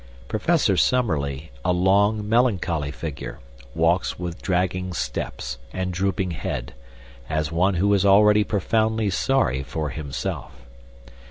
Professor Summerlee, a long, melancholy figure, walks with dragging steps and drooping head, as one who is already profoundly sorry for himself.